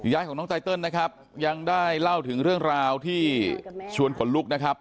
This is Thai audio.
ยายของน้องไตเติลนะครับยังได้เล่าถึงเรื่องราวที่ชวนขนลุกนะครับ